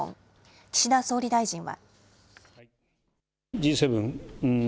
岸田総理大臣は。